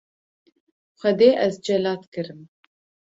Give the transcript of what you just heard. - Xwedê ez celat kirim.